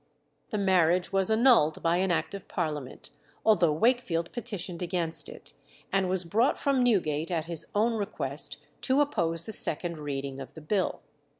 The marriage was annulled by an Act of Parliament, although Wakefield petitioned against it, and was brought from Newgate, at his own request, to oppose the second reading of the bill.